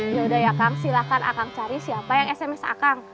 ya udah ya akan silahkan akan cari siapa yang sms akan